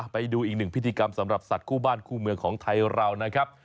ไปดูอีกหนึ่งพิธีกรรมสำหรับสัตว์คู่บ้านคู่เมืองของไทยเรานะครับ